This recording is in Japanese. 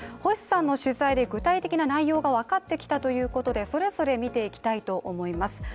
星さんの取材で具体的な内容が分かってきたということで、それぞれ見ていきたいと思います。